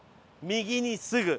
右にすぐ！